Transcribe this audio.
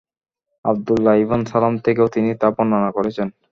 Abdullah ibn Salam থেকেও তিনি তা বর্ণনা করেছেন।